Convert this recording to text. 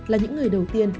là những người đầu tiên